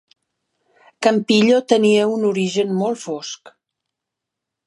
Campillo tenia un origen molt fosc.